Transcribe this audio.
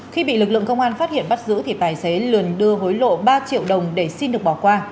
khi bị lực lượng công an phát hiện bắt giữ thì tài xế liền đưa hối lộ ba triệu đồng để xin được bỏ qua